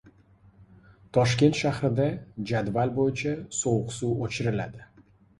Toshkent shahrida jadval bo‘yicha sovuq suv o‘chiriladi